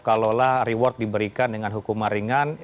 kalaulah reward diberikan dengan hukum meringan